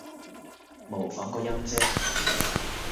模仿個音啫